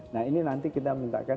nah ini nanti kita minta kan